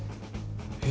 えっ？